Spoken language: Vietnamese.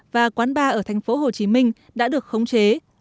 và quán bar ở thành phố hồ chí minh đã được khống chế